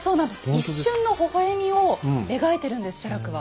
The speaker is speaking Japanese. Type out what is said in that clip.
一瞬のほほ笑みを描いてるんです写楽は。